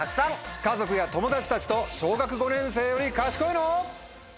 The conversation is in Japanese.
家族や友達たちと小学５年生より賢いの？